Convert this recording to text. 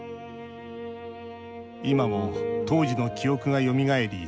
今も当時の記憶がよみがえり